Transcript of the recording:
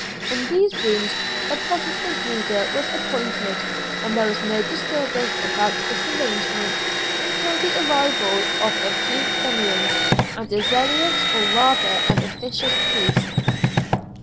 In these rooms a Protestant reader was appointed, and there was no disturbance about this arrangement until the arrival of a few Fenians, and a zealous or rather an officious priest.